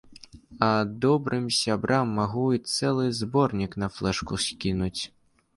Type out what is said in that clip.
А добрым сябрам магу і цэлы зборнік на флэшку скінуць.